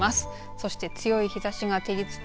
そして、強い日ざしが照りつけ